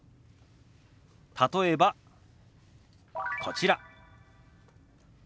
例えばこちら。